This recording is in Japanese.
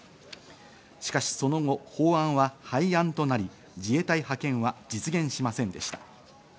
しかしその後、法案は廃案となり、自衛隊派遣は実現しませんでした。